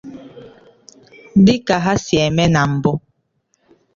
dịka ha si eme na mbụ.